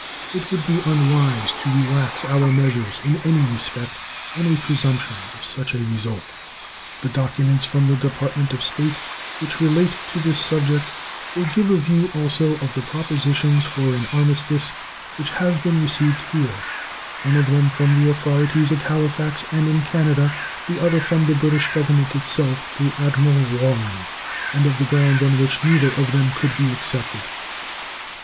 It would be unwise to relax our measures in any respect on a presumption of such a result. The documents from the Department of State which relate to this subject will give a view also of the propositions for an armistice which have been received here, one of them from the authorities at Halifax and in Canada, the other from the British Government itself through Admiral Warren, and of the grounds on which neither of them could be accepted.